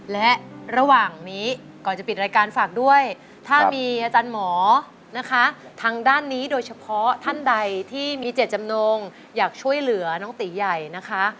และระหว่างนี้ก่อนจะปิดรายการฝากด้วยถ้ามีอาจารย์หมอนะคะทางด้านนี้โดยเฉพาะท่านใดที่มีเจ็ดจำนงอยากช่วยเหลือน้องตีใหญ่นะคะ